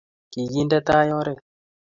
kikinde tai oret